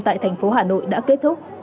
tại thành phố hà nội đã kết thúc